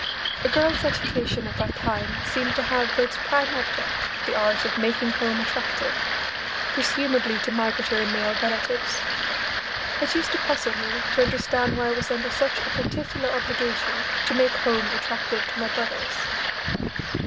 A girl's education at that time seemed to have for its prime object the art of "making home attractive" presumably to migratory male relatives. It used to puzzle me to understand why I was under such a particular obligation to make home attractive to my brothers.